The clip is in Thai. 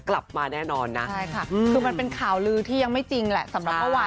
กลับมาแน่นอนนะใช่ค่ะคือมันเป็นข่าวลือที่ยังไม่จริงแหละ